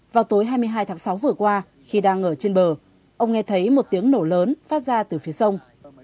vào tối hai mươi hai tháng sáu vừa qua khi đang ở trên bờ ông nghe thấy một tiếng nổ lớn phát ra từ phía sông